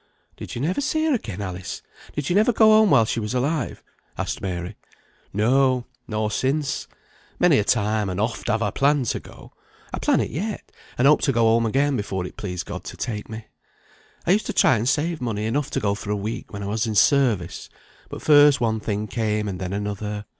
"Did you never see her again, Alice? Did you never go home while she was alive?" asked Mary. "No, nor since. Many a time and oft have I planned to go. I plan it yet, and hope to go home again before it please God to take me. I used to try and save money enough to go for a week when I was in service; but first one thing came, and then another.